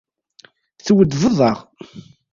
Tweddbeḍ-aɣ.